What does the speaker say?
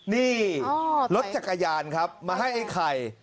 นี่รถจักรยานครับมาให้ไอ้ไข่